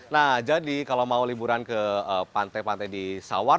nah jadi kalau mau liburan ke pantai pantai di sawar